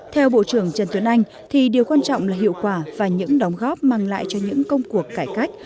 theo bộ trưởng trần tuấn anh thì điều quan trọng là hiệu quả và những đóng góp mang lại cho những công cuộc cải cách